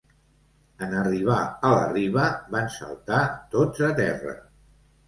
En arribar a la riba, van saltar tots a terra.